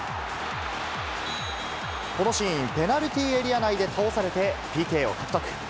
このシーン、ペナルティーエリア内で倒されてＰＫを獲得。